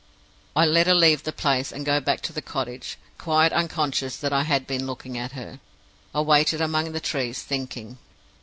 "I let her leave the place and go back to the cottage, quite unconscious that I had been looking at her. I waited among the trees, thinking.